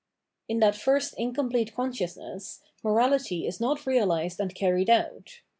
In that first incomplete consciousness, morality is not realised and carried out.